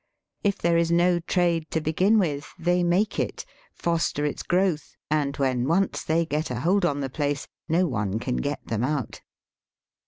If there is no trade to begin with, they make it, foster its growth, ^nd when once they get a hold on the place, no one can get them out.